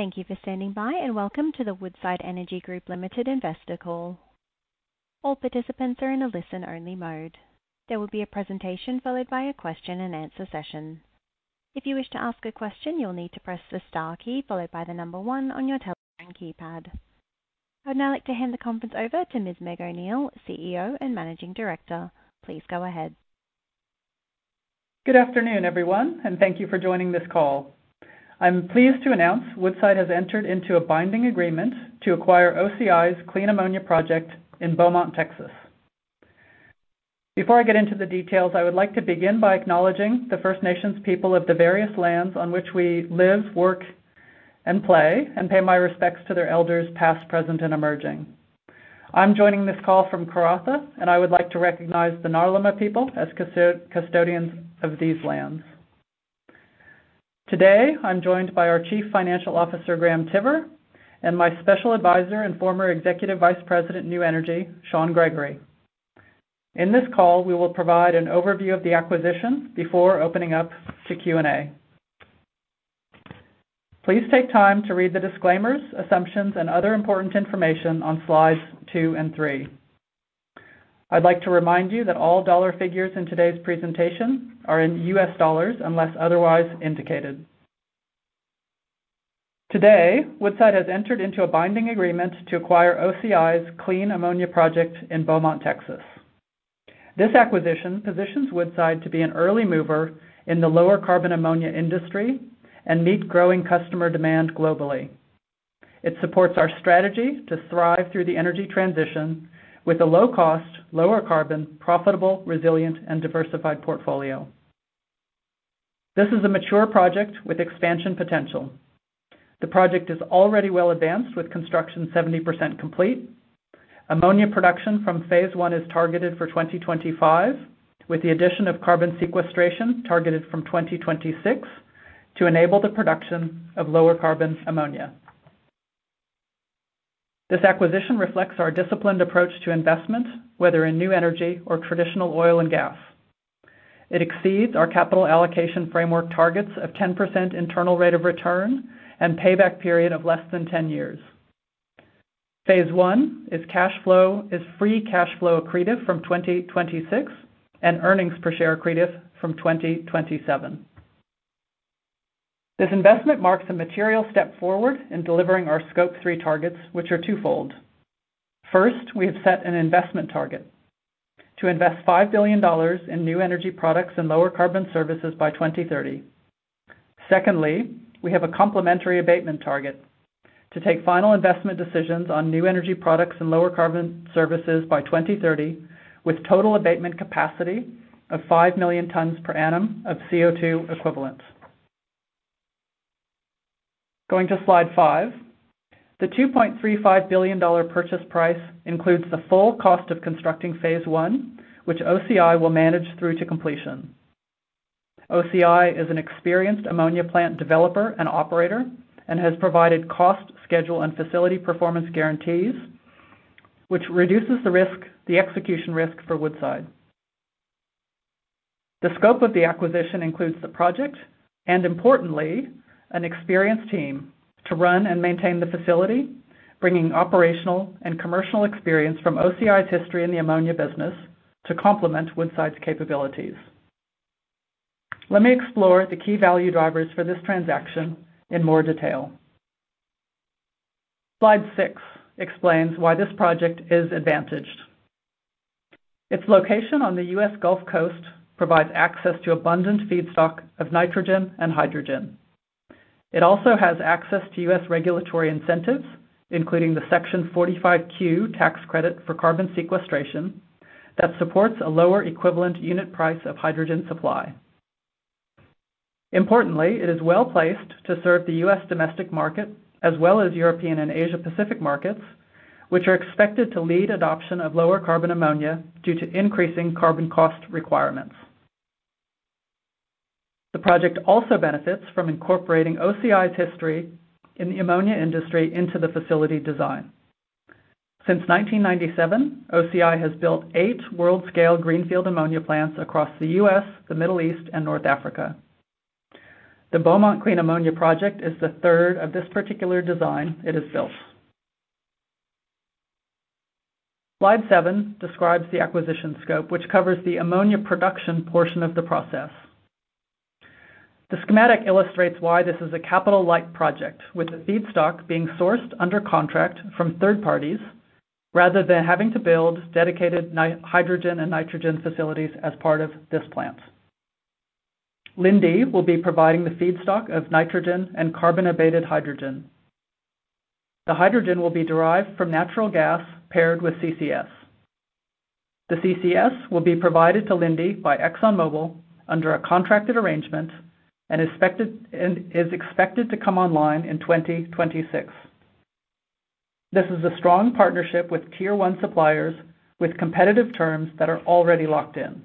Thank you for standing by, and welcome to the Woodside Energy Group Limited Investor Call. All participants are in a listen-only mode. There will be a presentation followed by a question-and-answer session. If you wish to ask a question, you'll need to press the star key followed by the number one on your telephone keypad. I would now like to hand the conference over to Ms. Meg O'Neill, CEO and Managing Director. Please go ahead. Good afternoon, everyone, and thank you for joining this call. I'm pleased to announce Woodside has entered into a binding agreement to acquire OCI's Clean Ammonia Project in Beaumont, Texas. Before I get into the details, I would like to begin by acknowledging the First Nations people of the various lands on which we live, work, and play, and pay my respects to their elders past, present, and emerging. I'm joining this call from Karratha, and I would like to recognize the Narlima people as custodians of these lands. Today, I'm joined by our Chief Financial Officer, Graham Tiver, and my Special Advisor and former Executive Vice President of New Energy, Shaun Gregory. In this call, we will provide an overview of the acquisition before opening up to Q&A. Please take time to read the disclaimers, assumptions, and other important information on slides 2 and 3. I'd like to remind you that all dollar figures in today's presentation are in U.S. dollars unless otherwise indicated. Today, Woodside has entered into a binding agreement to acquire OCI's Clean Ammonia Project in Beaumont, Texas. This acquisition positions Woodside to be an early mover in the lower carbon ammonia industry and meet growing customer demand globally. It supports our strategy to thrive through the energy transition with a low-cost, lower-carbon, profitable, resilient, and diversified portfolio. This is a mature project with expansion potential. The project is already well advanced with construction 70% complete. Ammonia production from phase one is targeted for 2025, with the addition of carbon sequestration targeted from 2026 to enable the production of lower-carbon ammonia. This acquisition reflects our disciplined approach to investment, whether in new energy or traditional oil and gas. It exceeds our capital allocation framework targets of 10% internal rate of return and payback period of less than 10 years. Phase one is free cash flow accretive from 2026 and earnings per share accretive from 2027. This investment marks a material step forward in delivering our Scope 3 targets, which are twofold. First, we have set an investment target to invest $5 billion in new energy products and lower-carbon services by 2030. Secondly, we have a complementary abatement target to take final investment decisions on new energy products and lower-carbon services by 2030 with total abatement capacity of 5 million tons per annum of CO2 equivalent. Going to slide five, the $2.35 billion purchase price includes the full cost of constructing phase one, which OCI will manage through to completion. OCI is an experienced ammonia plant developer and operator and has provided cost, schedule, and facility performance guarantees, which reduces the execution risk for Woodside. The scope of the acquisition includes the project and, importantly, an experienced team to run and maintain the facility, bringing operational and commercial experience from OCI's history in the ammonia business to complement Woodside's capabilities. Let me explore the key value drivers for this transaction in more detail. Slide 6 explains why this project is advantaged. Its location on the U.S. Gulf Coast provides access to abundant feedstock of nitrogen and hydrogen. It also has access to U.S. regulatory incentives, including the Section 45Q tax credit for carbon sequestration that supports a lower equivalent unit price of hydrogen supply. Importantly, it is well placed to serve the U.S. domestic market as well as European and Asia-Pacific markets, which are expected to lead adoption of lower carbon ammonia due to increasing carbon cost requirements. The project also benefits from incorporating OCI's history in the ammonia industry into the facility design. Since 1997, OCI has built eight world-scale greenfield ammonia plants across the U.S., the Middle East, and North Africa. The Beaumont Clean Ammonia Project is the third of this particular design it has built. Slide 7 describes the acquisition scope, which covers the ammonia production portion of the process. The schematic illustrates why this is a capital-light project, with the feedstock being sourced under contract from third parties rather than having to build dedicated hydrogen and nitrogen facilities as part of this plant. Linde will be providing the feedstock of nitrogen and carbon-abated hydrogen. The hydrogen will be derived from natural gas paired with CCS. The CCS will be provided to Linde by ExxonMobil under a contracted arrangement and is expected to come online in 2026. This is a strong partnership with tier one suppliers with competitive terms that are already locked in.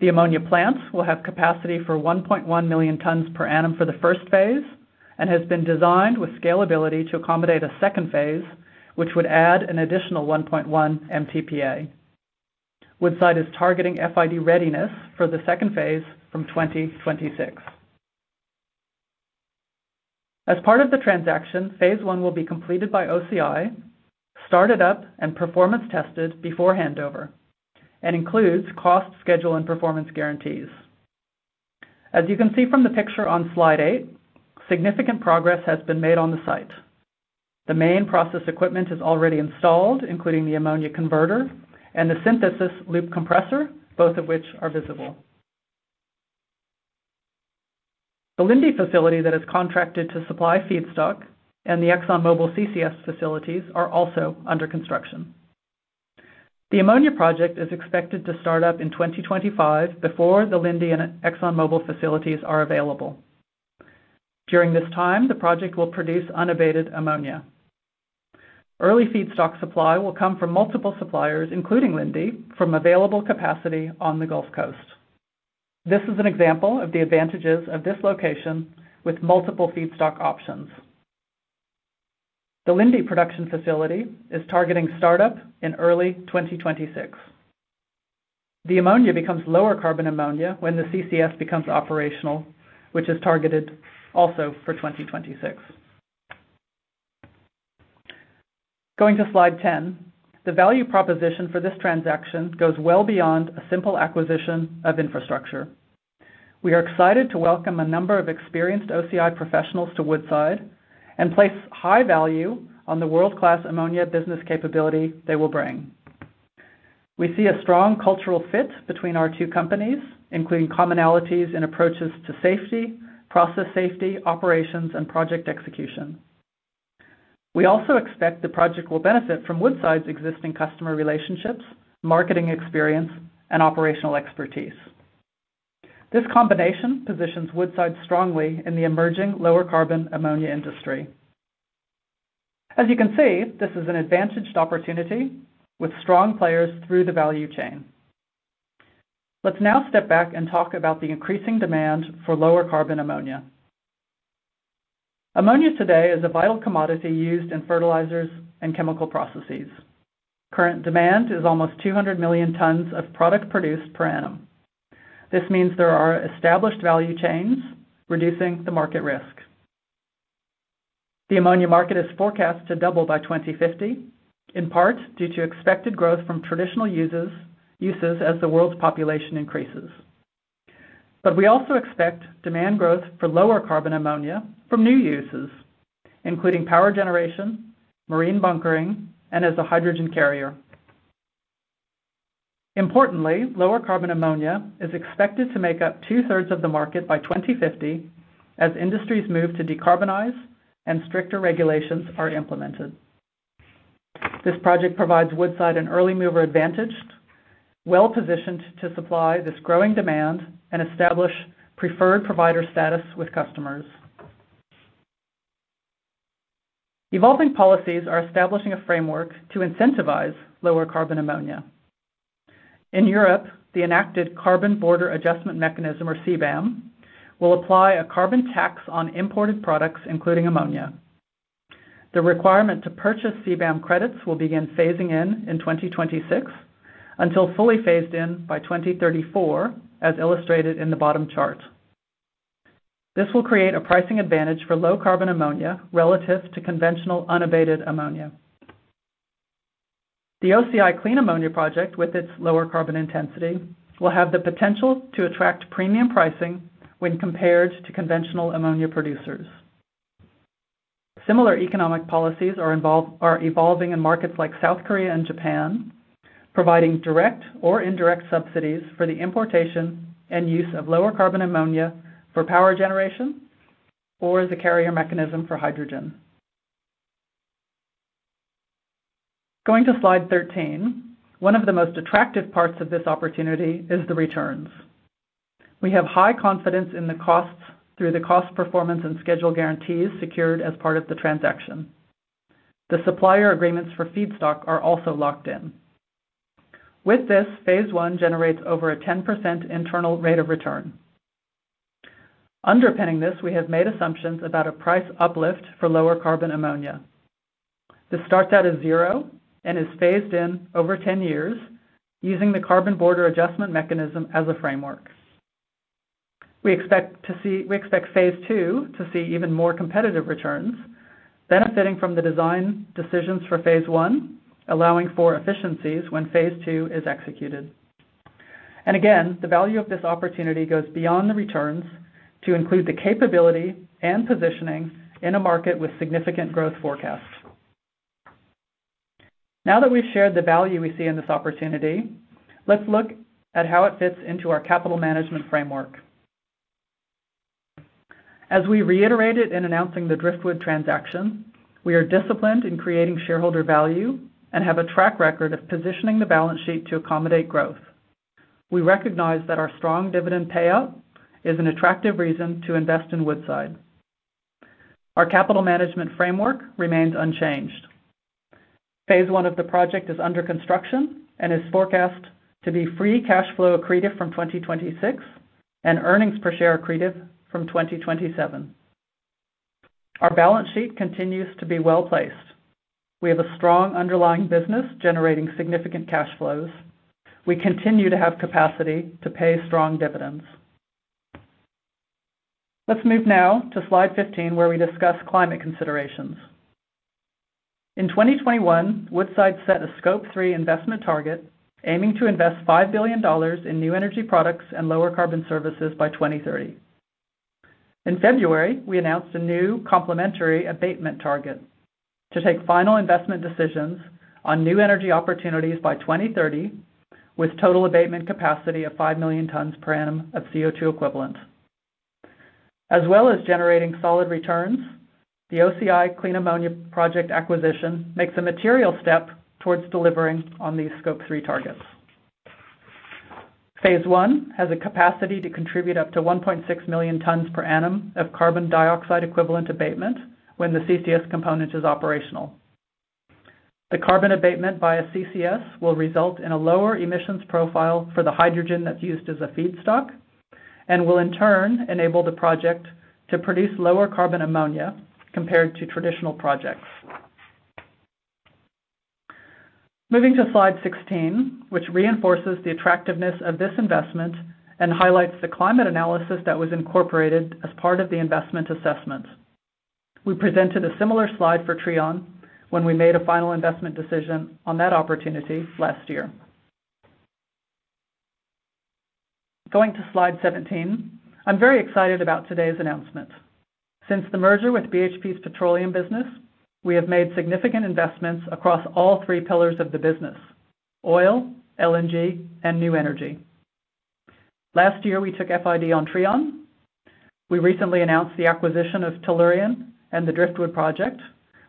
The ammonia plants will have capacity for 1.1 million tons per annum for the first phase and has been designed with scalability to accommodate a second phase, which would add an additional 1.1 MTPA. Woodside is targeting FID readiness for the second phase from 2026. As part of the transaction, phase one will be completed by OCI, started up and performance tested before handover, and includes cost, schedule, and performance guarantees. As you can see from the picture on slide eight, significant progress has been made on the site. The main process equipment is already installed, including the ammonia converter and the synthesis loop compressor, both of which are visible. The Linde facility that is contracted to supply feedstock and the ExxonMobil CCS facilities are also under construction. The ammonia project is expected to start up in 2025 before the Linde and ExxonMobil facilities are available. During this time, the project will produce unabated ammonia. Early feedstock supply will come from multiple suppliers, including Linde, from available capacity on the Gulf Coast. This is an example of the advantages of this location with multiple feedstock options. The Linde production facility is targeting startup in early 2026. The ammonia becomes lower carbon ammonia when the CCS becomes operational, which is targeted also for 2026. Going to slide 10, the value proposition for this transaction goes well beyond a simple acquisition of infrastructure. We are excited to welcome a number of experienced OCI professionals to Woodside and place high value on the world-class ammonia business capability they will bring. We see a strong cultural fit between our two companies, including commonalities in approaches to safety, process safety, operations, and project execution. We also expect the project will benefit from Woodside's existing customer relationships, marketing experience, and operational expertise. This combination positions Woodside strongly in the emerging lower carbon ammonia industry. As you can see, this is an advantaged opportunity with strong players through the value chain. Let's now step back and talk about the increasing demand for lower carbon ammonia. Ammonia today is a vital commodity used in fertilizers and chemical processes. Current demand is almost 200 million tons of product produced per annum. This means there are established value chains reducing the market risk. The ammonia market is forecast to double by 2050, in part due to expected growth from traditional uses as the world's population increases. But we also expect demand growth for lower carbon ammonia from new uses, including power generation, marine bunkering, and as a hydrogen carrier. Importantly, lower carbon ammonia is expected to make up two-thirds of the market by 2050 as industries move to decarbonize and stricter regulations are implemented. This project provides Woodside an early mover advantage, well positioned to supply this growing demand and establish preferred provider status with customers. Evolving policies are establishing a framework to incentivize lower carbon ammonia. In Europe, the enacted Carbon Border Adjustment Mechanism, or CBAM, will apply a carbon tax on imported products, including ammonia. The requirement to purchase CBAM credits will begin phasing in in 2026 until fully phased in by 2034, as illustrated in the bottom chart. This will create a pricing advantage for low carbon ammonia relative to conventional unabated ammonia. The OCI Clean Ammonia Project, with its lower carbon intensity, will have the potential to attract premium pricing when compared to conventional ammonia producers. Similar economic policies are evolving in markets like South Korea and Japan, providing direct or indirect subsidies for the importation and use of lower carbon ammonia for power generation or as a carrier mechanism for hydrogen. Going to slide 13, one of the most attractive parts of this opportunity is the returns. We have high confidence in the costs through the cost, performance, and schedule guarantees secured as part of the transaction. The supplier agreements for feedstock are also locked in. With this, phase one generates over a 10% internal rate of return. Underpinning this, we have made assumptions about a price uplift for lower carbon ammonia. This starts out as zero and is phased in over 10 years using the Carbon Border Adjustment Mechanism as a framework. We expect phase two to see even more competitive returns, benefiting from the design decisions for phase one, allowing for efficiencies when phase two is executed. And again, the value of this opportunity goes beyond the returns to include the capability and positioning in a market with significant growth forecasts. Now that we've shared the value we see in this opportunity, let's look at how it fits into our capital management framework. As we reiterated in announcing the Driftwood transaction, we are disciplined in creating shareholder value and have a track record of positioning the balance sheet to accommodate growth. We recognize that our strong dividend payout is an attractive reason to invest in Woodside. Our capital management framework remains unchanged. Phase one of the project is under construction and is forecast to be free cash flow accretive from 2026 and earnings per share accretive from 2027. Our balance sheet continues to be well placed. We have a strong underlying business generating significant cash flows. We continue to have capacity to pay strong dividends. Let's move now to slide 15, where we discuss climate considerations. In 2021, Woodside set a Scope 3 investment target, aiming to invest $5 billion in new energy products and lower carbon services by 2030. In February, we announced a new complementary abatement target to take final investment decisions on new energy opportunities by 2030 with total abatement capacity of 5 million tons per annum of CO2 equivalent. As well as generating solid returns, the OCI Clean Ammonia Project acquisition makes a material step towards delivering on these Scope 3 targets. Phase 1 has a capacity to contribute up to 1.6 million tons per annum of carbon dioxide equivalent abatement when the CCS component is operational. The carbon abatement by a CCS will result in a lower emissions profile for the hydrogen that's used as a feedstock and will, in turn, enable the project to produce lower carbon ammonia compared to traditional projects. Moving to slide 16, which reinforces the attractiveness of this investment and highlights the climate analysis that was incorporated as part of the investment assessment. We presented a similar slide for Trion when we made a final investment decision on that opportunity last year. Going to slide 17, I'm very excited about today's announcement. Since the merger with BHP's petroleum business, we have made significant investments across all three pillars of the business oil, LNG, and new energy. Last year, we took FID on Trion. We recently announced the acquisition of Tellurian and the Driftwood project,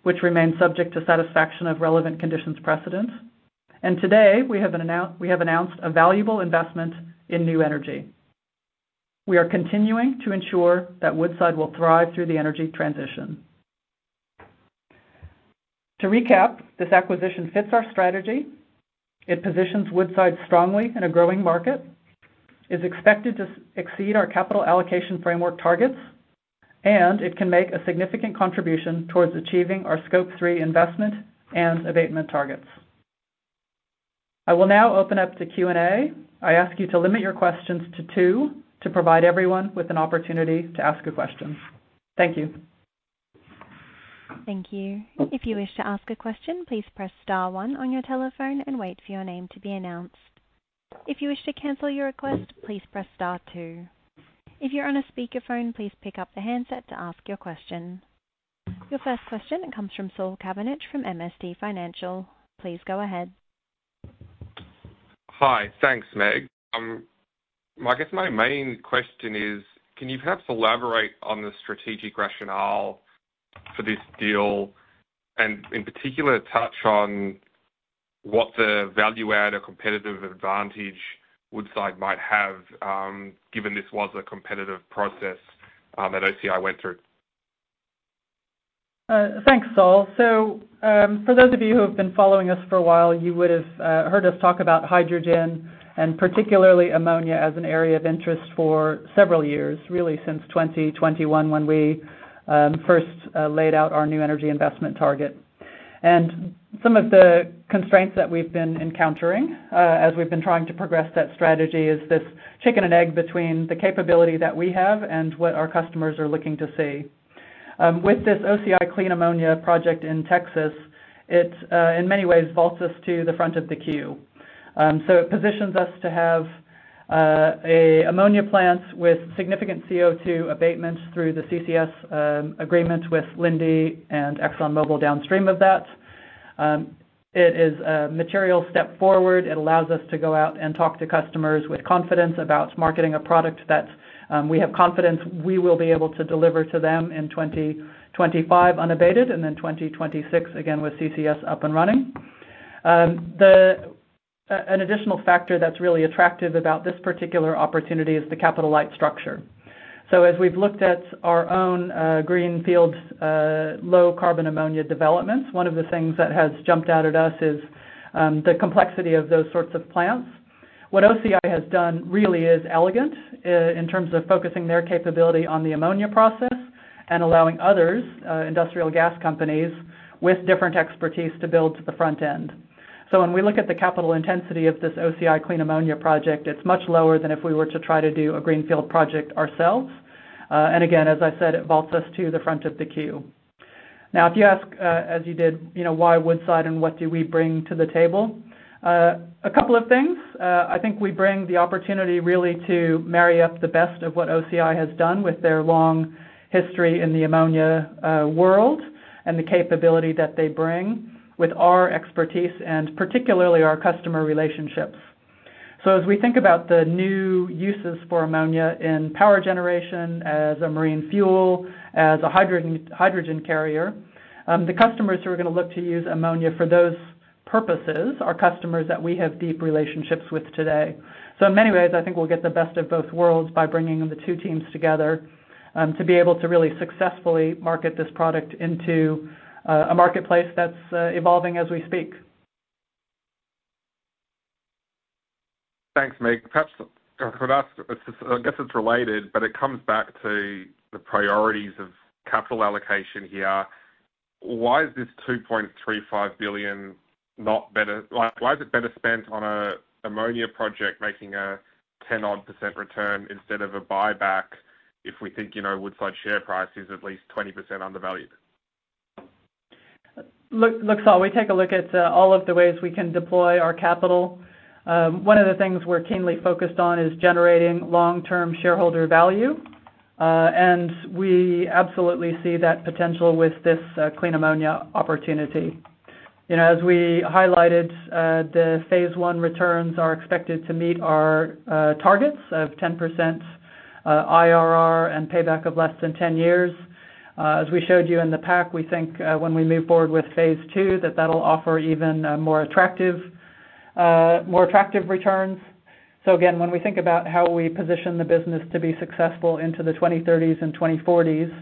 which remained subject to satisfaction of relevant conditions precedent. Today, we have announced a valuable investment in new energy. We are continuing to ensure that Woodside will thrive through the energy transition. To recap, this acquisition fits our strategy. It positions Woodside strongly in a growing market, is expected to exceed our capital allocation framework targets, and it can make a significant contribution towards achieving our Scope 3 investment and abatement targets. I will now open up to Q&A. I ask you to limit your questions to two to provide everyone with an opportunity to ask a question. Thank you. Thank you. If you wish to ask a question, please press star one on your telephone and wait for your name to be announced. If you wish to cancel your request, please press star two. If you're on a speakerphone, please pick up the handset to ask your question. Your first question comes from Saul Kavonic from MST Financial. Please go ahead. Hi, thanks, Meg. I guess my main question is, can you perhaps elaborate on the strategic rationale for this deal and, in particular, touch on what the value-add or competitive advantage Woodside might have, given this was a competitive process that OCI went through? Thanks, Saul. So for those of you who have been following us for a while, you would have heard us talk about hydrogen and particularly ammonia as an area of interest for several years, really since 2021 when we first laid out our new energy investment target. Some of the constraints that we've been encountering as we've been trying to progress that strategy is this chicken and egg between the capability that we have and what our customers are looking to see. With this OCI Clean Ammonia Project in Texas, it in many ways vaults us to the front of the queue. It positions us to have ammonia plants with significant CO2 abatement through the CCS agreement with Linde and ExxonMobil downstream of that. It is a material step forward. It allows us to go out and talk to customers with confidence about marketing a product that we have confidence we will be able to deliver to them in 2025 unabated and then 2026 again with CCS up and running. An additional factor that's really attractive about this particular opportunity is the capital light structure. So as we've looked at our own greenfield low carbon ammonia developments, one of the things that has jumped out at us is the complexity of those sorts of plants. What OCI has done really is elegant in terms of focusing their capability on the ammonia process and allowing others, industrial gas companies with different expertise, to build to the front end. So when we look at the capital intensity of this OCI Clean Ammonia Project, it's much lower than if we were to try to do a greenfield project ourselves. Again, as I said, it vaults us to the front of the queue. Now, if you ask, as you did, why Woodside and what do we bring to the table? A couple of things. I think we bring the opportunity really to marry up the best of what OCI has done with their long history in the ammonia world and the capability that they bring with our expertise and particularly our customer relationships. As we think about the new uses for ammonia in power generation, as a marine fuel, as a hydrogen carrier, the customers who are going to look to use ammonia for those purposes are customers that we have deep relationships with today. In many ways, I think we'll get the best of both worlds by bringing the two teams together to be able to really successfully market this product into a marketplace that's evolving as we speak. Thanks, Meg. Perhaps I guess it's related, but it comes back to the priorities of capital allocation here. Why is this $2.35 billion not better? Why is it better spent on an ammonia project making a 10%-odd % return instead of a buyback if we think Woodside share price is at least 20% undervalued? Look, Saul, we take a look at all of the ways we can deploy our capital. One of the things we're keenly focused on is generating long-term shareholder value. We absolutely see that potential with this clean ammonia opportunity. As we highlighted, the phase one returns are expected to meet our targets of 10% IRR and payback of less than 10 years. As we showed you in the pack, we think when we move forward with phase two, that that'll offer even more attractive returns. Again, when we think about how we position the business to be successful into the 2030s and 2040s,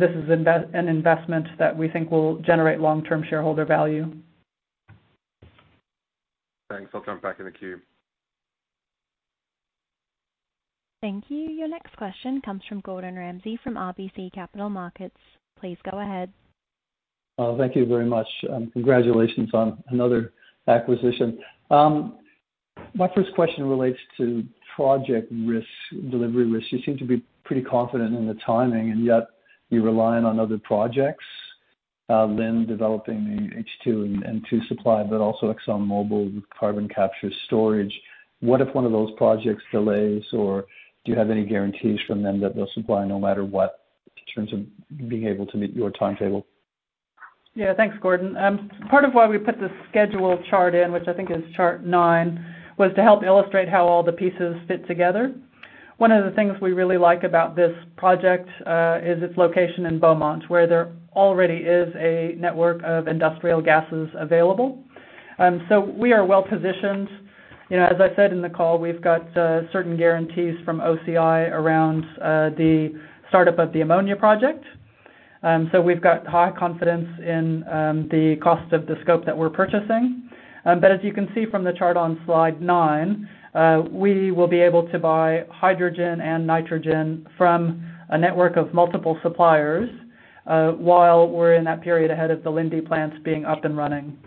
this is an investment that we think will generate long-term shareholder value. Thanks. I'll jump back in the queue. Thank you. Your next question comes from Gordon Ramsay from RBC Capital Markets. Please go ahead. Thank you very much. Congratulations on another acquisition. My first question relates to project risk, delivery risk. You seem to be pretty confident in the timing, and yet you're relying on other projects, then developing the H2 and N2 supply, but also ExxonMobil with carbon capture storage. What if one of those projects delays, or do you have any guarantees from them that they'll supply no matter what in terms of being able to meet your timetable? Yeah, thanks, Gordon. Part of why we put the schedule chart in, which I think is chart nine, was to help illustrate how all the pieces fit together. One of the things we really like about this project is its location in Beaumont, where there already is a network of industrial gases available. We are well positioned. As I said in the call, we've got certain guarantees from OCI around the startup of the ammonia project. We've got high confidence in the cost of the scope that we're purchasing. But as you can see from the chart on slide nine, we will be able to buy hydrogen and nitrogen from a network of multiple suppliers while we're in that period ahead of the Linde plants being up and running.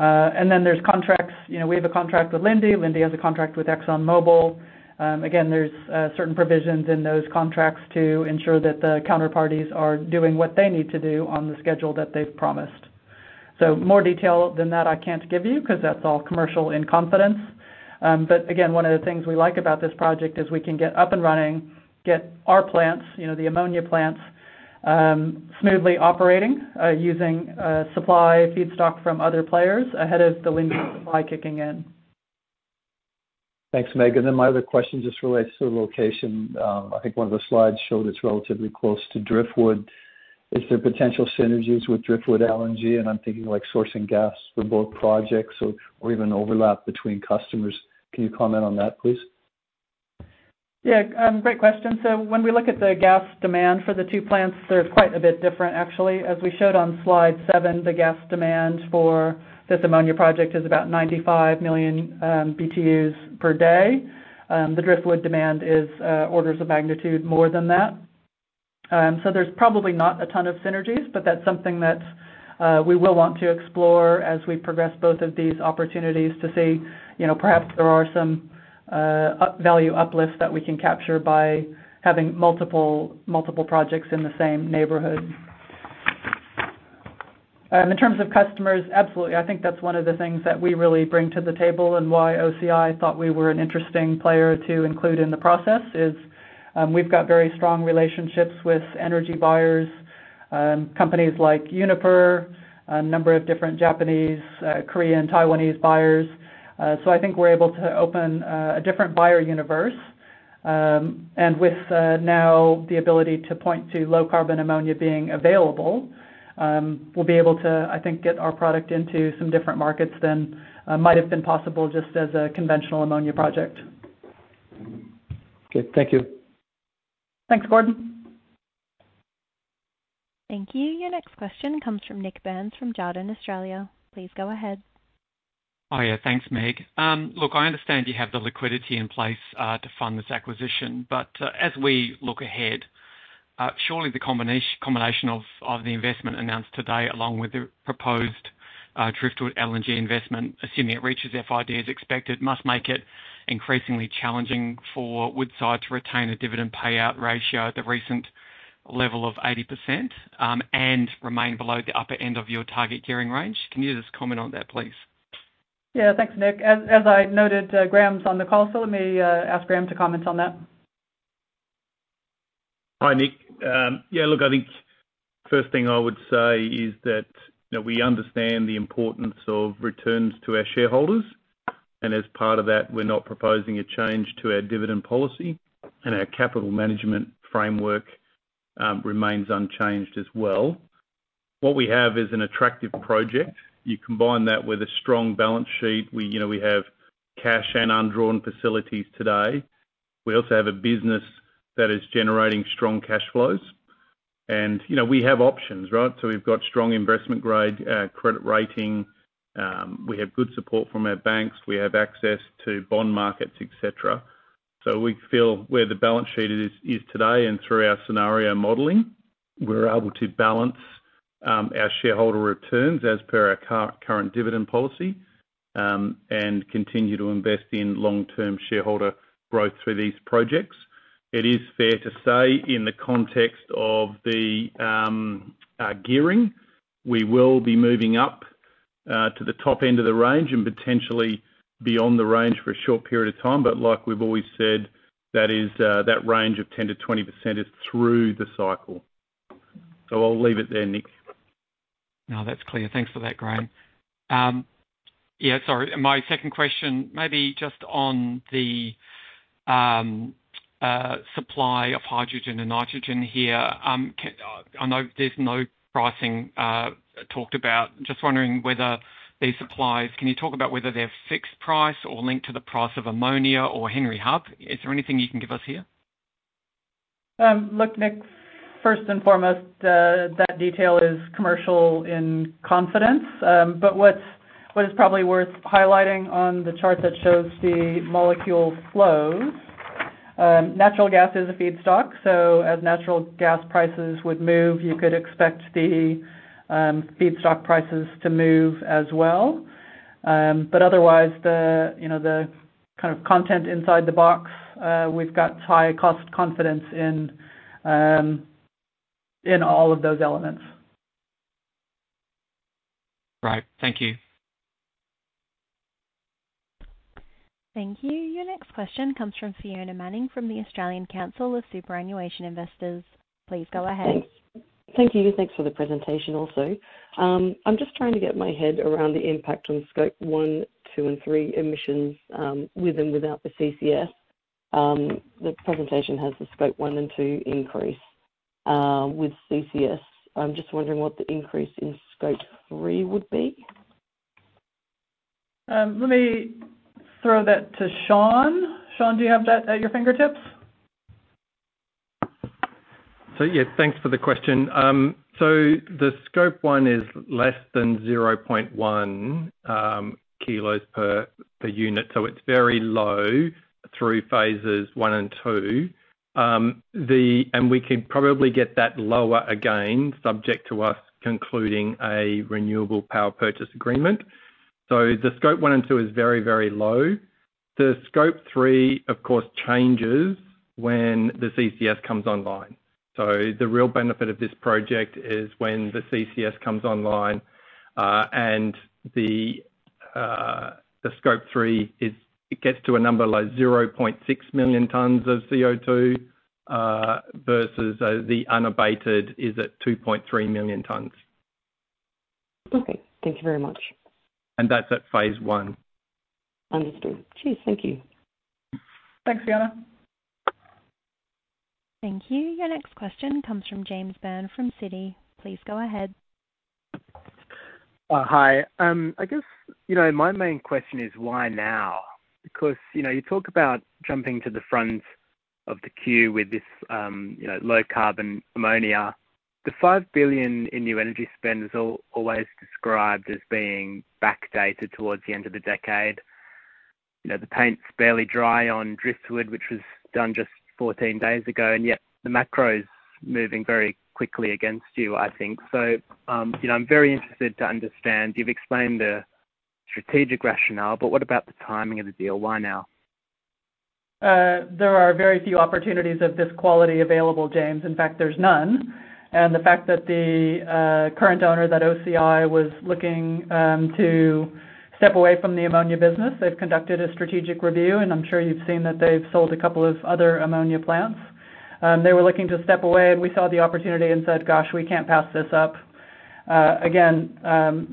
Then there's contracts. We have a contract with Linde. Linde has a contract with ExxonMobil. Again, there's certain provisions in those contracts to ensure that the counterparties are doing what they need to do on the schedule that they've promised. So more detail than that I can't give you because that's all commercial in confidence. But again, one of the things we like about this project is we can get up and running, get our plants, the ammonia plants, smoothly operating using supply feedstock from other players ahead of the Linde supply kicking in. Thanks, Meg. And then my other question just relates to the location. I think one of the slides showed it's relatively close to Driftwood. Is there potential synergies with Driftwood LNG? And I'm thinking like sourcing gas for both projects or even overlap between customers. Can you comment on that, please? Yeah, great question. When we look at the gas demand for the two plants, they're quite a bit different actually. As we showed on slide 7, the gas demand for this ammonia project is about 95 million BTUs per day. The Driftwood demand is orders of magnitude more than that. So there's probably not a ton of synergies, but that's something that we will want to explore as we progress both of these opportunities to see perhaps there are some value uplifts that we can capture by having multiple projects in the same neighborhood. In terms of customers, absolutely. I think that's one of the things that we really bring to the table and why OCI thought we were an interesting player to include in the process is we've got very strong relationships with energy buyers, companies like Uniper, a number of different Japanese, Korean, Taiwanese buyers. I think we're able to open a different buyer universe. With now the ability to point to low carbon ammonia being available, we'll be able to, I think, get our product into some different markets than might have been possible just as a conventional ammonia project. Okay, thank you. Thanks, Gordon. Thank you. Your next question comes from Nik Burns from Jarden Australia. Please go ahead. Oh, yeah, thanks, Meg. Look, I understand you have the liquidity in place to fund this acquisition, but as we look ahead, surely the combination of the investment announced today along with the proposed Driftwood LNG investment, assuming it reaches FID as expected, must make it increasingly challenging for Woodside to retain a dividend payout ratio at the recent level of 80% and remain below the upper end of your target gearing range. Can you just comment on that, please? Yeah, thanks, Nick. As I noted, Graham's on the call, so let me ask Graham to comment on that. Hi, Nick. Yeah, look, I think the first thing I would say is that we understand the importance of returns to our shareholders. As part of that, we're not proposing a change to our dividend policy. Our capital management framework remains unchanged as well. What we have is an attractive project. You combine that with a strong balance sheet. We have cash and undrawn facilities today. We also have a business that is generating strong cash flows. We have options, right? We've got strong investment-grade credit rating. We have good support from our banks. We have access to bond markets, etc. We feel where the balance sheet is today and through our scenario modelling, we're able to balance our shareholder returns as per our current dividend policy and continue to invest in long-term shareholder growth through these projects. It is fair to say in the context of the gearing, we will be moving up to the top end of the range and potentially beyond the range for a short period of time. But like we've always said, that range of 10%-20% is through the cycle. So I'll leave it there, Nick. No, that's clear. Thanks for that, Graham. Yeah, sorry. My second question, maybe just on the supply of hydrogen and nitrogen here. I know there's no pricing talked about. Just wondering whether these supplies, can you talk about whether they're fixed price or linked to the price of ammonia or Henry Hub? Is there anything you can give us here? Look, Nick, first and foremost, that detail is commercial in confidence. What is probably worth highlighting on the chart that shows the molecule flows, natural gas is a feedstock. As natural gas prices would move, you could expect the feedstock prices to move as well. Otherwise, the content inside the box, we've got high cost confidence in all of those elements. Right. Thank you. Thank you. Your next question comes from Fiona Manning from the Australian Council of Superannuation Investors. Please go ahead. Thank you. Thanks for the presentation also. I'm just trying to get my head around the impact on Scope 1, 2, and 3 emissions with and without the CCS. The presentation has the Scope 1 and 2 increase with CCS. I'm just wondering what the increase in Scope 3 would be. Let me throw that to Shaun. Shaun, do you have that at your fingertips? So yeah, thanks for the question. The Scope 1 is less than 0.1 kilos per unit. It's very low through phases 1 and 2. And we can probably get that lower again, subject to us concluding a renewable power purchase agreement. The Scope 1 and 2 is very, very low. The Scope 3, of course, changes when the CCS comes online. The real benefit of this project is when the CCS comes online and the Scope 3 gets to a number like 0.6 million tons of CO2 versus the unabated is at 2.3 million tons. Okay. Thank you very much. That's at phase one. Understood. Cheers. Thank you. Thanks, Fiona. Thank you. Your next question comes from James Byrne from Citi. Please go ahead. Hi. I guess my main question is why now? You talk about jumping to the front of the queue with this low carbon ammonia. The $5 billion in new energy spend is always described as being backdated towards the end of the decade. The paint's barely dry on Driftwood, which was done just 14 days ago. And yet the macro is moving very quickly against you, I think. So I'm very interested to understand. You've explained the strategic rationale, but what about the timing of the deal? Why now? There are very few opportunities of this quality available, James. In fact, there's none. And the fact that the current owner, OCI, was looking to step away from the ammonia business. They've conducted a strategic review. I'm sure you've seen that they've sold a couple of other ammonia plants. They were looking to step away, and we saw the opportunity and said, "Gosh, we can't pass this up." Again,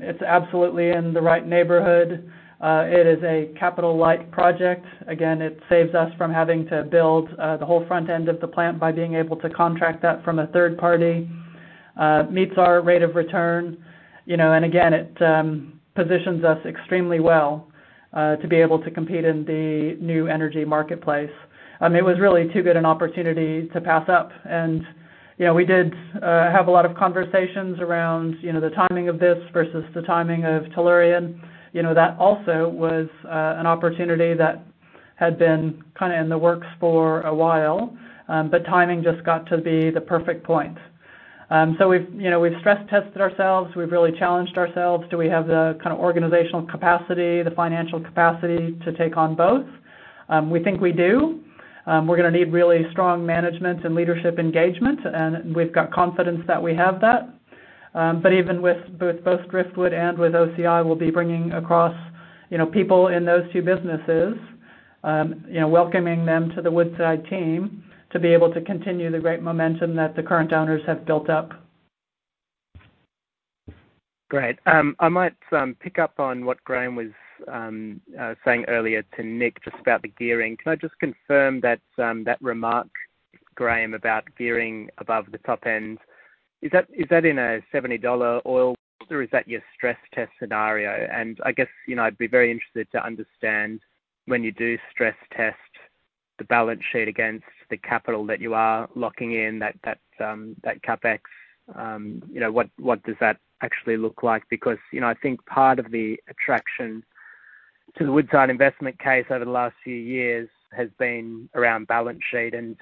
it's absolutely in the right neighborhood. It is a capital-light project. Again, it saves us from having to build the whole front end of the plant by being able to contract that from a third party. Meets our rate of return. And again, it positions us extremely well to be able to compete in the new energy marketplace. It was really too good an opportunity to pass up. We did have a lot of conversations around the timing of this versus the timing of Tellurian. That also was an opportunity that had been in the works for a while, but timing just got to be the perfect point. We've stress-tested ourselves. We've really challenged ourselves. Do we have the organizational capacity, the financial capacity to take on both? We think we do. We're going to need really strong management and leadership engagement. And we've got confidence that we have that. Even with both Driftwood and with OCI, we'll be bringing across people in those two businesses, welcoming them to the Woodside team to be able to continue the great momentum that the current owners have built up. Great. I might pick up on what Graham was saying earlier to Nick just about the gearing. Can I just confirm that remark, Graham, about gearing above the top end? Is that in a $70 oil, or is that your stress test scenario? I'd be very interested to understand when you do stress test the balance sheet against the capital that you are locking in, that CapEx, what does that actually look like? I think part of the attraction to the Woodside investment case over the last few years has been around balance sheet and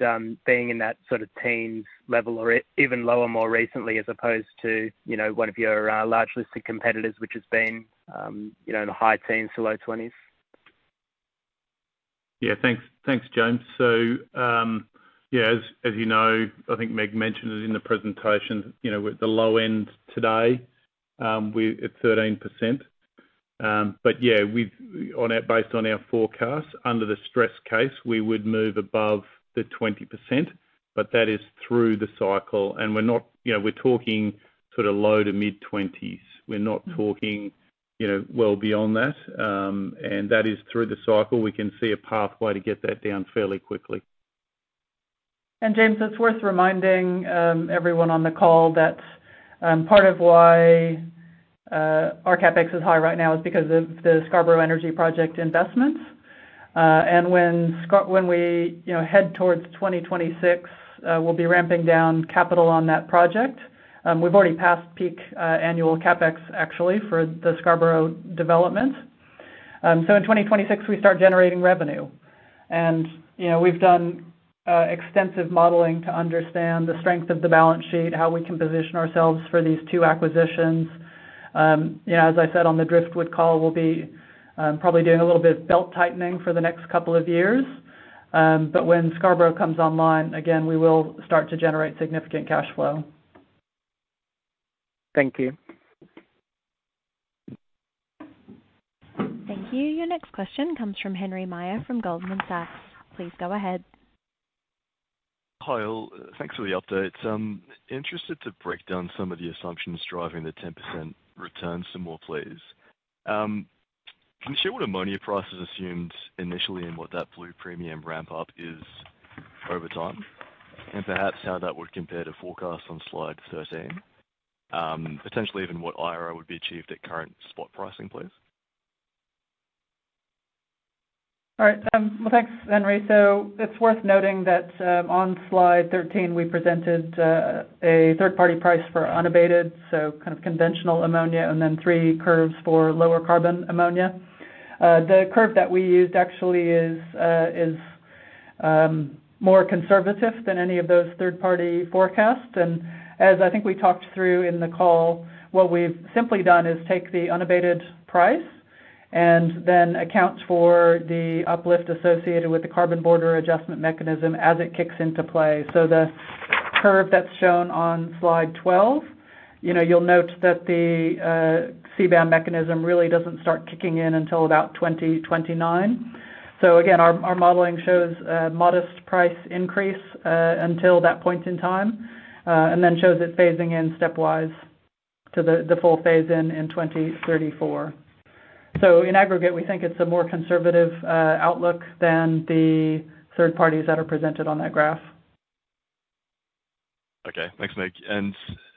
being in that teens level or even lower more recently as opposed to one of your large listed competitors, which has been in the high teens to low twenties. Yeah, thanks, James I think. Meg mentioned it in the presentation, the low end today at 13%. But yeah, based on our forecast, under the stress case, we would move above the 20%, but that is through the cycle. We're talking low to mid 20s. We're not talking well beyond that. That is through the cycle. We can see a pathway to get that down fairly quickly. James, it's worth reminding everyone on the call that part of why our CapEx is high right now is because of the Scarborough Energy Project investments. When we head towards 2026, we'll be ramping down capital on that project. We've already passed peak annual CapEx, actually, for the Scarborough development. In 2026, we start generating revenue. We've done extensive modeling to understand the strength of the balance sheet, how we can position ourselves for these two acquisitions. As I said on the Driftwood call, we'll be probably doing a little bit of belt tightening for the next couple of years. When Scarborough comes online, again, we will start to generate significant cash flow. Thank you. Thank you. Your next question comes from Henry Meyer from Goldman Sachs. Please go ahead. Hi, thanks for the update. Interested to break down some of the assumptions driving the 10% returns some more, please. Can you share what ammonia price is assumed initially and what that blue premium ramp-up is over time? And perhaps how that would compare to forecasts on slide 13? Potentially even what IR would be achieved at current spot pricing, please. All right. Well, thanks, Henry. It's worth noting that on slide 13, we presented a third-party price for unabated, so conventional ammonia, and then three curves for lower carbon ammonia. The curve that we used actually is more conservative than any of those third-party forecasts. And as I think we talked through in the call, what we've simply done is take the unabated price and then account for the uplift associated with the carbon border adjustment mechanism as it kicks into play. So the curve that's shown on slide 12, you'll note that the CBAM mechanism really doesn't start kicking in until about 2029. Again, our modeling shows a modest price increase until that point in time, and then shows it phasing in stepwise to the full phase in 2034. In aggregate, we think it's a more conservative outlook than the third parties that are presented on that graph. Okay. Thanks, Meg.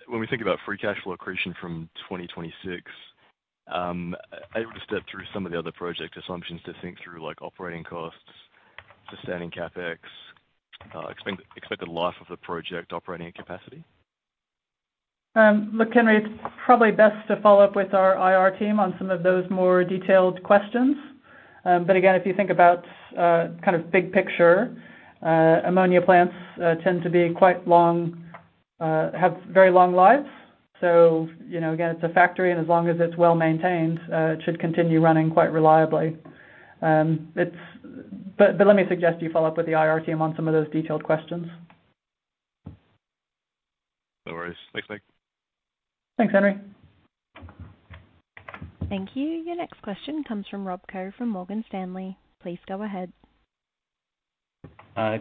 When we think about free cash flow accretion from 2026, I would step through some of the other project assumptions to think through operating costs, sustaining CapEx, expected life of the project, operating capacity. Look, Henry, it's probably best to follow up with our IR team on some of those more detailed questions. Again, if you think about big picture, ammonia plants tend to be quite long, have very long lives. Again, it's a factory, and as long as it's well maintained, it should continue running quite reliably. But let me suggest you follow up with the IR team on some of those detailed questions. No worries. Thanks, Meg. Thanks, Henry. Thank you. Your next question comes from Rob Coe from Morgan Stanley. Please go ahead.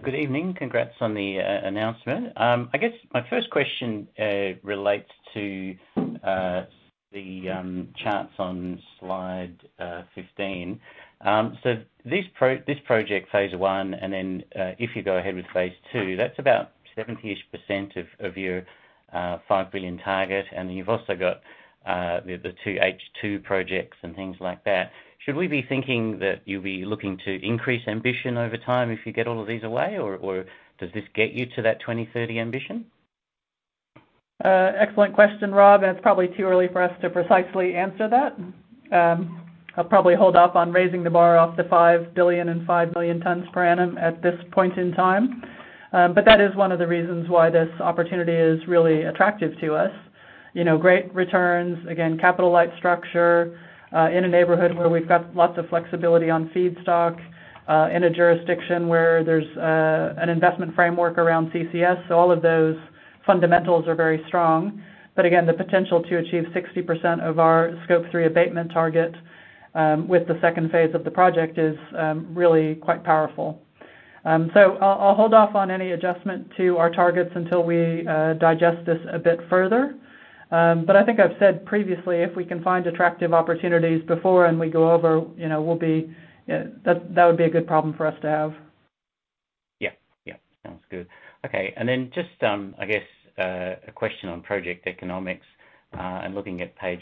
Good evening. Congrats on the announcement. I guess my first question relates to the charts on slide 15. So this project, phase one, and then if you go ahead with phase two, that's about 70-ish% of your $5 billion target. And then you've also got the two H2 projects and things like that. Should we be thinking that you'll be looking to increase ambition over time if you get all of these away, or does this get you to that 2030 ambition? Excellent question, Rob. And it's probably too early for us to precisely answer that. I'll probably hold off on raising the bar off the $5 billion and 5 million tons per annum at this point in time. But that is one of the reasons why this opportunity is really attractive to us. Great returns, again, capital-light structure in a neighborhood where we've got lots of flexibility on feedstock, in a jurisdiction where there's an investment framework around CCS. So all of those fundamentals are very strong. But again, the potential to achieve 60% of our Scope 3 abatement target with the second phase of the project is really quite powerful. So I'll hold off on any adjustment to our targets until we digest this a bit further. I think I've said previously, if we can find attractive opportunities before and we go over, that would be a good problem for us to have. Yeah. Yeah. Sounds good. Okay. Then just, I guess, a question on project economics. Looking at page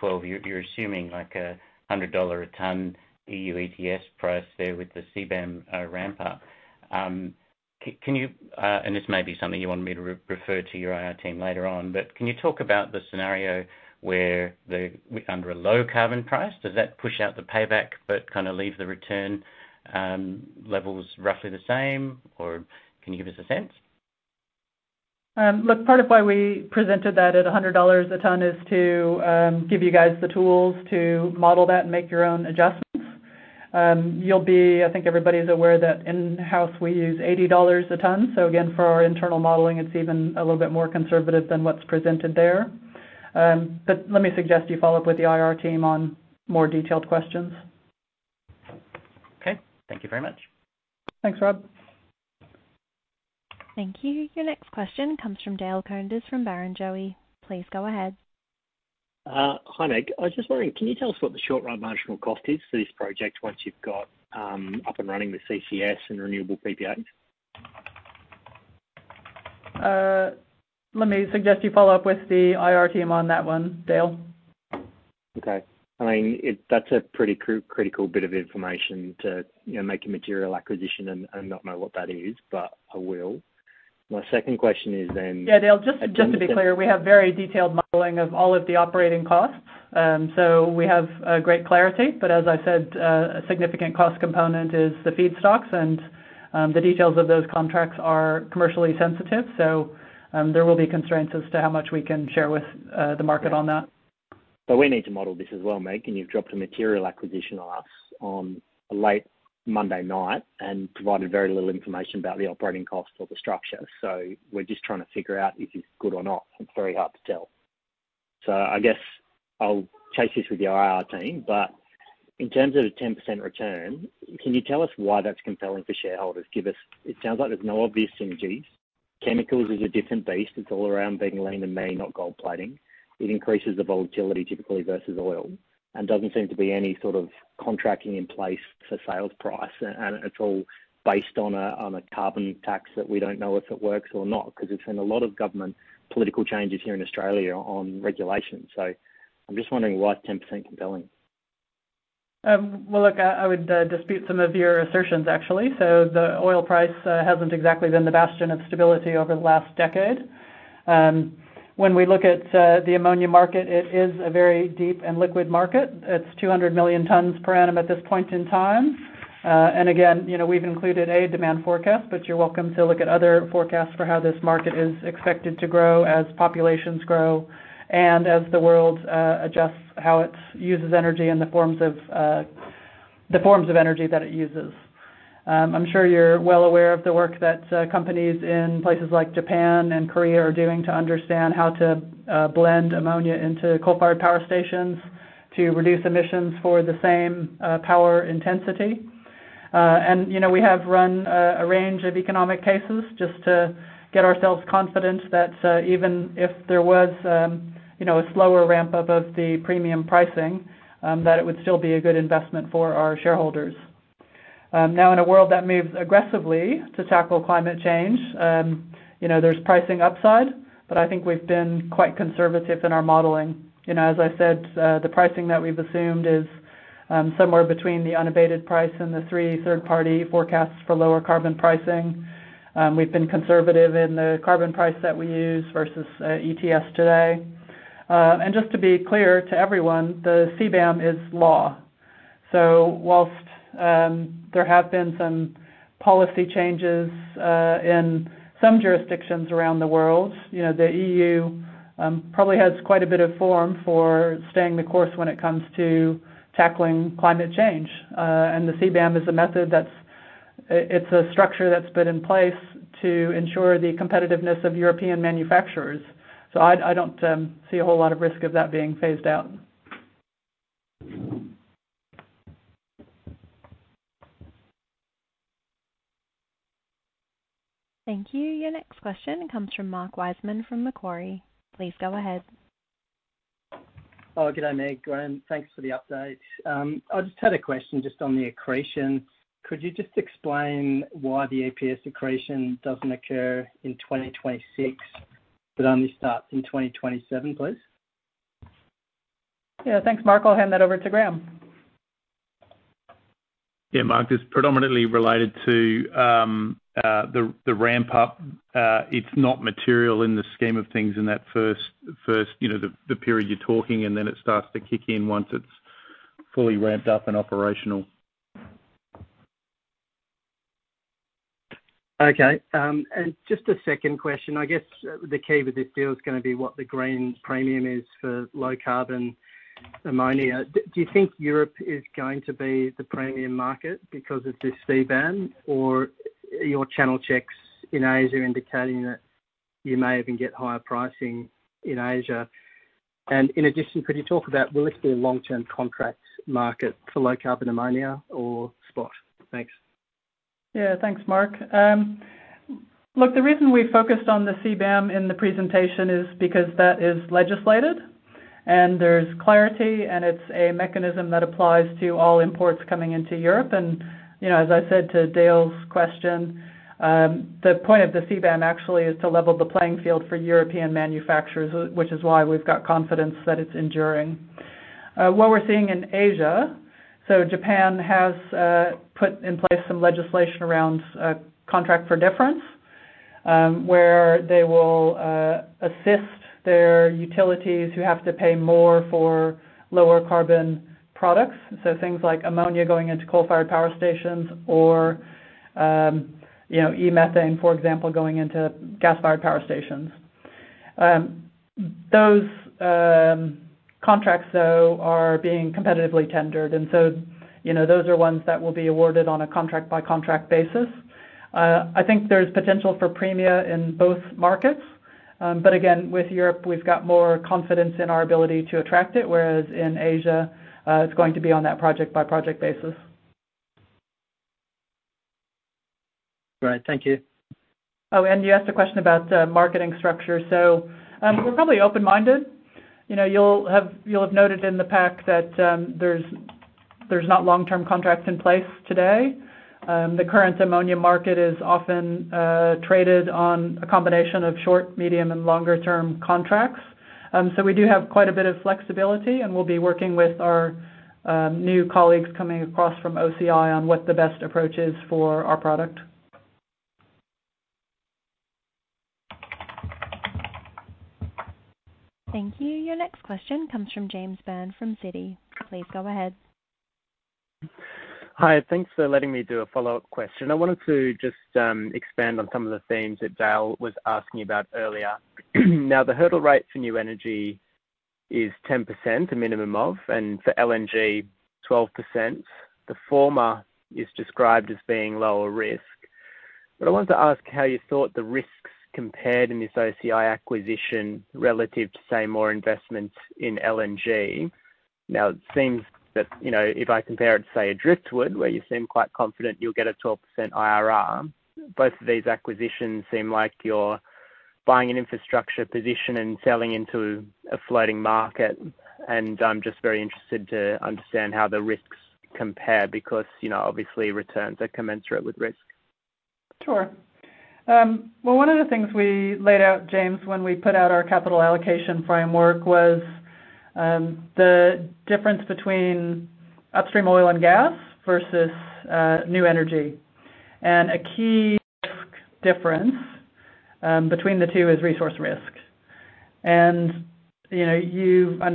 12, you're assuming a $100 a ton EU ETS price there with the CBAM ramp-up. This may be something you want me to refer to your IR team later on, but can you talk about the scenario where under a low carbon price, does that push out the payback but leave the return levels roughly the same? Or can you give us a sense? Look, part of why we presented that at $100 a ton is to give you guys the tools to model that and make your own adjustments. I think everybody's aware that in-house, we use $80 a ton. Again, for our internal modeling, it's even a little bit more conservative than what's presented there. Let me suggest you follow up with the IR team on more detailed questions. Okay. Thank you very much. Thanks, Rob. Thank you. Your next question comes from Dale Koenders from Barrenjoey. Please go ahead. Hi, Meg. I was just wondering, can you tell us what the short-run marginal cost is for this project once you've got up and running the CCS and renewable PPAs? Let me suggest you follow up with the IR team on that one, Dale. Okay. I mean, that's a pretty critical bit of information to make a material acquisition and not know what that is, but I will. My second question is then. Yeah, Dale, just to be clear, we have very detailed modeling of all of the operating costs. We have great clarity. As I said, a significant cost component is the feedstocks, and the details of those contracts are commercially sensitive. There will be constraints as to how much we can share with the market on that. We need to model this as well, Meg. You've dropped a material acquisition on us on a late Monday night and provided very little information about the operating costs of the structure. We're just trying to figure out if it's good or not. It's very hard to tell. I guess I'll chase this with the IR team. In terms of a 10% return, can you tell us why that's compelling for shareholders? It sounds like there's no obvious synergies. Chemicals is a different beast. It's all around being lean and mean, not gold plating. It increases the volatility typically versus oil. There doesn't seem to be any contracting in place for sales price. It's all based on a carbon tax that we don't know if it works or not because there's been a lot of government political changes here in Australia on regulation. I'm just wondering why it's 10% compelling. Well, look, I would dispute some of your assertions, actually. So the oil price hasn't exactly been the bastion of stability over the last decade. When we look at the ammonia market, it is a very deep and liquid market. It's 200 million tons per annum at this point in time. And again, we've included a demand forecast, but you're welcome to look at other forecasts for how this market is expected to grow as populations grow and as the world adjusts how it uses energy and the forms of energy that it uses. I'm sure you're well aware of the work that companies in places like Japan and Korea are doing to understand how to blend ammonia into coal-fired power stations to reduce emissions for the same power intensity. We have run a range of economic cases just to get ourselves confident that even if there was a slower ramp-up of the premium pricing, that it would still be a good investment for our shareholders. Now, in a world that moves aggressively to tackle climate change, there's pricing upside, but I think we've been quite conservative in our modeling. As I said, the pricing that we've assumed is somewhere between the unabated price and the three third-party forecasts for lower carbon pricing. We've been conservative in the carbon price that we use versus ETS today. Just to be clear to everyone, the CBAM is law. So while there have been some policy changes in some jurisdictions around the world, the E.U. probably has quite a bit of form for staying the course when it comes to tackling climate change. The CBAM is a method that's a structure that's been in place to ensure the competitiveness of European manufacturers. So I don't see a whole lot of risk of that being phased out. Thank you. Your next question comes from Mark Wiseman from Macquarie. Please go ahead. Oh, good day, Meg. Thanks for the update. I just had a question just on the accretion. Could you just explain why the EPS accretion doesn't occur in 2026 but only starts in 2027, please? Yeah. Thanks, Mark. I'll hand that over to Graham. Yeah, Mark, this is predominantly related to the ramp-up. It's not material in the scheme of things in that first period you're talking, and then it starts to kick in once it's fully ramped up and operational. Okay. Just a second question. I guess the key with this deal is going to be what the green premium is for low carbon ammonia. Do you think Europe is going to be the premium market because of this CBAM, or your channel checks in Asia are indicating that you may even get higher pricing in Asia? And in addition, could you talk about will this be a long-term contract market for low carbon ammonia or spot? Thanks. Yeah. Thanks, Mark. Look, the reason we focused on the CBAM in the presentation is because that is legislated, and there's clarity, and it's a mechanism that applies to all imports coming into Europe. As I said to Dale's question, the point of the CBAM actually is to level the playing field for European manufacturers, which is why we've got confidence that it's enduring. What we're seeing in Asia so Japan has put in place some legislation around contract for difference, where they will assist their utilities who have to pay more for lower carbon products. Things like ammonia going into coal-fired power stations or e-methane, for example, going into gas-fired power stations. Those contracts, though, are being competitively tendered. And so those are ones that will be awarded on a contract-by-contract basis. I think there's potential for premia in both markets. Again, with Europe, we've got more confidence in our ability to attract it, whereas in Asia, it's going to be on that project-by-project basis. Great. Thank you. Oh, and you asked a question about marketing structure. We're probably open-minded. You'll have noted in the pack that there's not long-term contracts in place today. The current ammonia market is often traded on a combination of short, medium, and longer-term contracts. We do have quite a bit of flexibility, and we'll be working with our new colleagues coming across from OCI on what the best approach is for our product. Thank you. Your next question comes from James Byrne from Citi. Please go ahead. Hi. Thanks for letting me do a follow-up question. I wanted to just expand on some of the themes that Dale was asking about earlier. Now, the hurdle rate for new energy is 10%, the minimum of, and for LNG, 12%. The former is described as being lower risk. I wanted to ask how you thought the risks compared in this OCI acquisition relative to, say, more investments in LNG. Now, it seems that if I compare it to, say, a Driftwood, where you seem quite confident you'll get a 12% IRR, both of these acquisitions seem like you're buying an infrastructure position and selling into a floating market. I'm just very interested to understand how the risks compare because, obviously, returns are commensurate with risk. Sure. Well, one of the things we laid out, James, when we put out our capital allocation framework, was the difference between upstream oil and gas versus new energy. A key difference between the two is resource risk. I know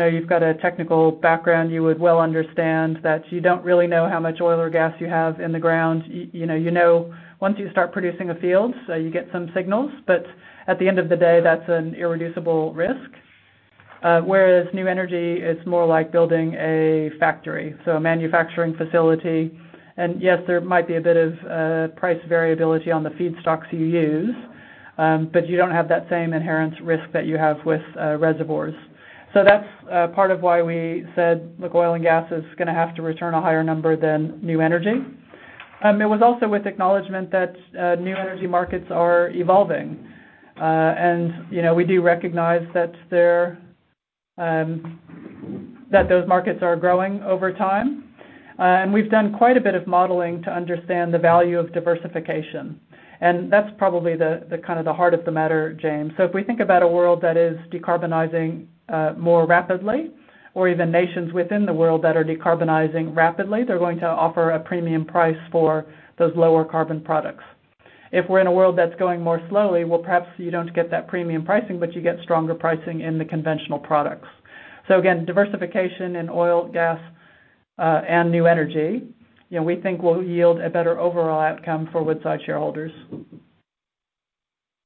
you've got a technical background. You would well understand that you don't really know how much oil or gas you have in the ground. Once you start producing a field, so you get some signals. At the end of the day, that's an irreducible risk. Whereas new energy, it's more like building a factory, so a manufacturing facility. Yes, there might be a bit of price variability on the feedstocks you use, but you don't have that same inherent risk that you have with reservoirs. That's part of why we said oil and gas is going to have to return a higher number than new energy. It was also with acknowledgment that new energy markets are evolving. And we do recognize that those markets are growing over time. We've done quite a bit of modeling to understand the value of diversification. That's probably the the heart of the matter, James. If we think about a world that is decarbonizing more rapidly, or even nations within the world that are decarbonizing rapidly, they're going to offer a premium price for those lower carbon products. If we're in a world that's going more slowly, well, perhaps you don't get that premium pricing, but you get stronger pricing in the conventional products. Again, diversification in oil, gas, and new energy, we think, will yield a better overall outcome for Woodside shareholders.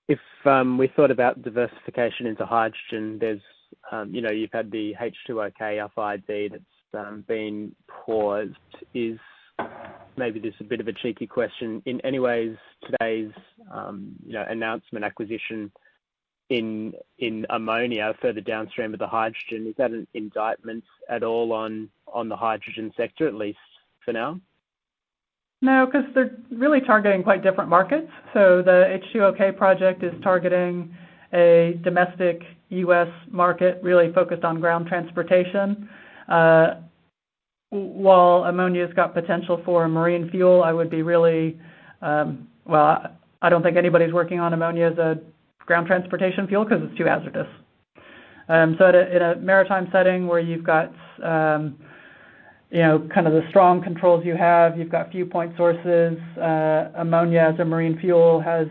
If we thought about diversification into hydrogen, you've had the H2OK idea that's been paused. Maybe this is a bit of a cheeky question. In any ways, today's announcement acquisition in ammonia further downstream of the hydrogen, is that an indictment at all on the hydrogen sector, at least for now? No, because they're really targeting quite different markets. The H2OK project is targeting a domestic U.S. market really focused on ground transportation. While ammonia has got potential for marine fuel, I would be really well, I don't think anybody's working on ammonia as a ground transportation fuel because it's too hazardous. In a maritime setting where you've got the strong controls you have, you've got few point sources, ammonia as a marine fuel has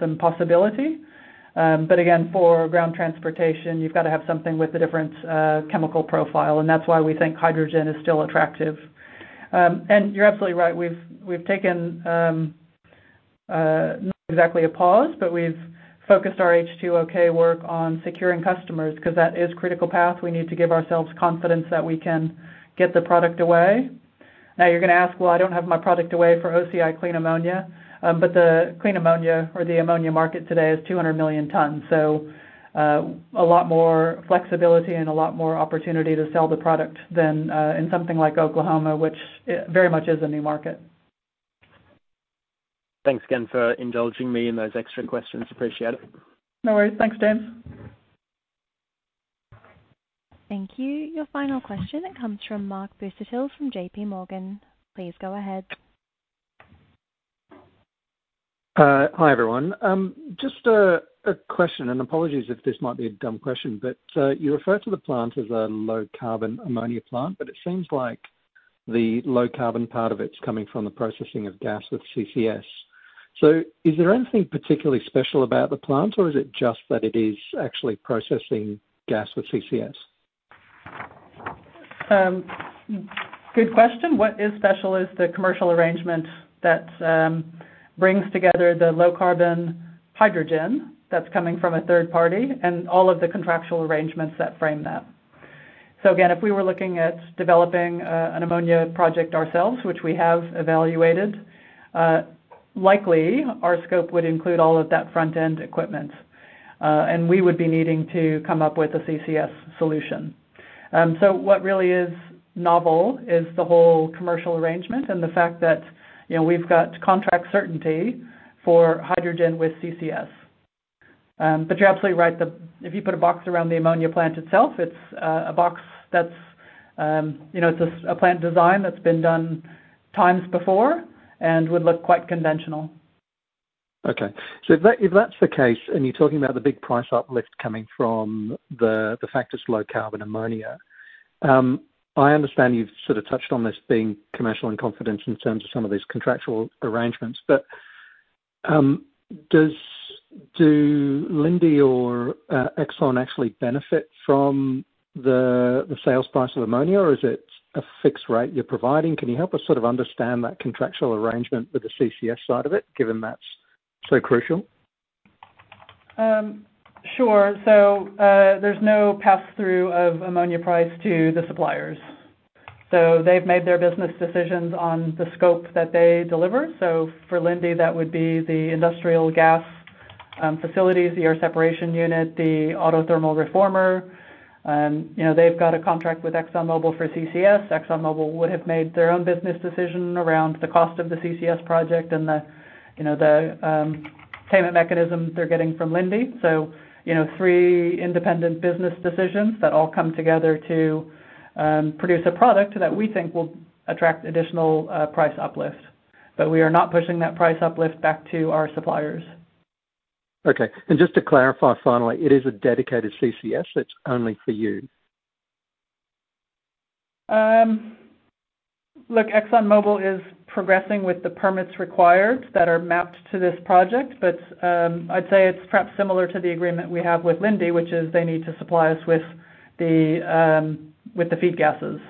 some possibility. Again, for ground transportation, you've got to have something with a different chemical profile. And that's why we think hydrogen is still attractive. You're absolutely right. We've taken not exactly a pause, but we've focused our H2OK work on securing customers because that is a critical path. We need to give ourselves confidence that we can get the product away. Now, you're going to ask, "Well, I don't have my product away for OCI Clean Ammonia." The clean ammonia or the ammonia market today is 200 million tons. A lot more flexibility and a lot more opportunity to sell the product than in something like Oklahoma, which very much is a new market. Thanks again for indulging me in those extra questions. Appreciate it. No worries. Thanks, James. Thank you. Your final question, it comes from Mark Busuttil from J.P. Morgan. Please go ahead. Hi, everyone. Just a question, and apologies if this might be a dumb question, but you refer to the plant as a low carbon ammonia plant, but it seems like the low carbon part of it's coming from the processing of gas with CCS. So is there anything particularly special about the plant, or is it just that it is actually processing gas with CCS? Good question. What is special is the commercial arrangement that brings together the low carbon hydrogen that's coming from a third party and all of the contractual arrangements that frame that. Again, if we were looking at developing an ammonia project ourselves, which we have evaluated, likely our scope would include all of that front-end equipment, and we would be needing to come up with a CCS solution. What really is novel is the whole commercial arrangement and the fact that we've got contract certainty for hydrogen with CCS. You're absolutely right. If you put a box around the ammonia plant itself, it's a box that's a plant design that's been done times before and would look quite conventional. Okay. So if that's the case, and you're talking about the big price uplift coming from the fact it's low carbon ammonia, I understand you've touched on this being commercial and confidence in terms of some of these contractual arrangements. Does Linde or Exxon actually benefit from the sales price of ammonia, or is it a fixed rate you're providing? Can you help us understand that contractual arrangement with the CCS side of it, given that's so crucial? Sure. There's no pass-through of ammonia price to the suppliers. So they've made their business decisions on the scope that they deliver. So for Linde, that would be the industrial gas facilities, the air separation unit, the autothermal reformer. They've got a contract with ExxonMobil for CCS. ExxonMobil would have made their own business decision around the cost of the CCS project and the payment mechanism they're getting from Linde. So three independent business decisions that all come together to produce a product that we think will attract additional price uplift. But we are not pushing that price uplift back to our suppliers. Okay. Just to clarify finally, it is a dedicated CCS that's only for you? Look, ExxonMobil is progressing with the permits required that are mapped to this project, but I'd say it's perhaps similar to the agreement we have with Linde, which is they need to supply us with the feed gases.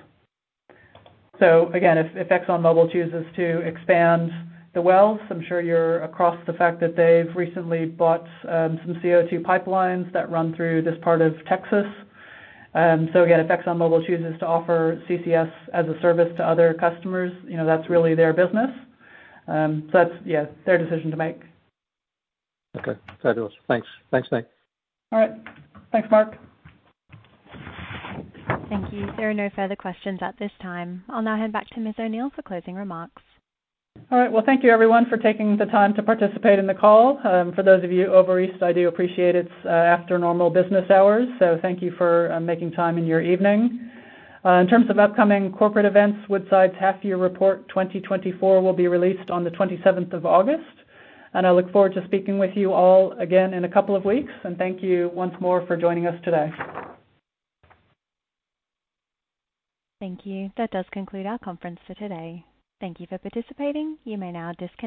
Again, if ExxonMobil chooses to expand the wells, I'm sure you're across the fact that they've recently bought some CO2 pipelines that run through this part of Texas. So again, if ExxonMobil chooses to offer CCS as a service to other customers, that's really their business. That's, yeah, their decision to make. Okay. Fabulous. Thanks. Thanks, Nate. All right. Thanks, Mark. Thank you. There are no further questions at this time. I'll now hand back to Ms. O'Neill for closing remarks. All right. Well, thank you, everyone, for taking the time to participate in the call. For those of you over East, I do appreciate it's after normal business hours. Thank you for making time in your evening. In terms of upcoming corporate events, Woodside's half-year report 2024 will be released on the 27th of August. I look forward to speaking with you all again in a couple of weeks. Thank you once more for joining us today. Thank you. That does conclude our conference for today. Thank you for participating. You may now disconnect.